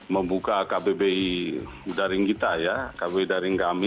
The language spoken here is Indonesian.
membuka kbbi daring kita ya kb daring kami